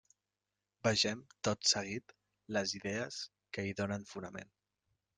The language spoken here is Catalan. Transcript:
Vegem tot seguit les idees que hi donen fonament.